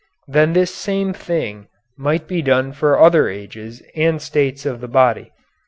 Then this same thing might be done for other ages and states of the body.